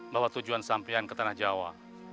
bahwa tujuan sampian ke tanah jawa